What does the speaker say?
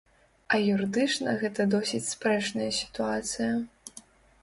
А юрыдычна гэта досыць спрэчная сітуацыя.